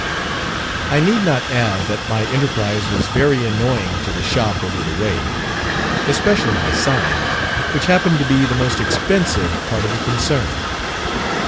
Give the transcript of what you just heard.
I need not add that my enterprise was very annoying to the "shop over the way" especially my sign, which happened to be the most expensive part of the concern.